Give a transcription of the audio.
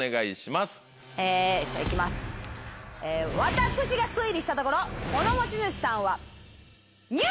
私が推理したところこの持ち主さんは。